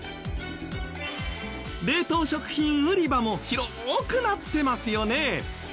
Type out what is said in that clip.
冷凍食品売り場も広ーくなってますよね。